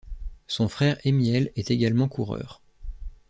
Son frère Emiel, est également coureur.